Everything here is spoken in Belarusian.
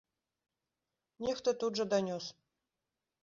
Нехта тут жа данёс.